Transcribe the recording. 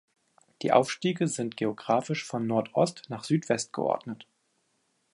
Die Aufstiege sind geographisch von Nordost nach Südwest geordnet.